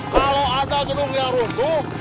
kalau ada gedung yang runtuh